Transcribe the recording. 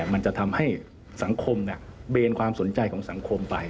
มันจะทำให้สังคมเบนความสนใจของสังคมไป